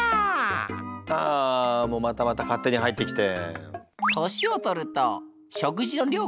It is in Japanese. ああもうまたまた勝手に入ってきて。